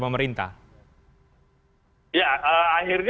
atau kemudian juga mengikuti aturan yang sudah ditetapkan oleh pemerintah